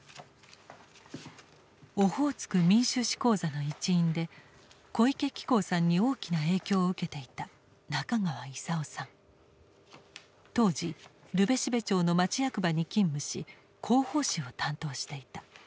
「オホーツク民衆史講座」の一員で小池喜孝さんに大きな影響を受けていた当時留辺蘂町の町役場に勤務し広報誌を担当していた。